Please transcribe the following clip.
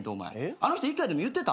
あの人１回でも言ってた？